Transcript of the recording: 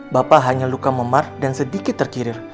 bapak hanya luka memar dan sedikit terkirir